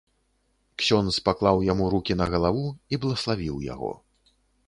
Ксёндз паклаў яму рукі на галаву і блаславіў яго.